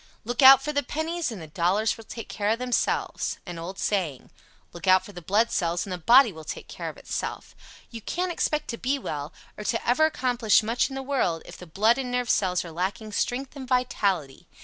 [Illustration: Photograph showing product in use on foot.] "Look Out for the Pennies, and the Dollars Will Take Care of Themselves" An Old Saying Look Out For the Blood Cells and the Body Will Take Care of Itself You can't expect to be well, or to ever accomplish much in the world if the blood and nerve cells are lacking strength and vitality.